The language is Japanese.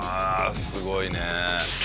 すごいね。